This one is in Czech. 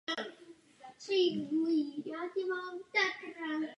Letiště rovněž slouží jako záložní v případě omezení provozu v Čáslavi nebo Náměšti.